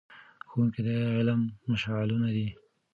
ښوونکي د علم مشعلونه دي.